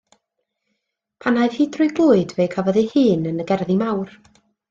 Pan aeth hi drwy glwyd fe'i cafod ei hun yn y gerddi mawr.